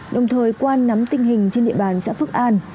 đồng thời qua nắm tình hình trên địa bàn xã phước an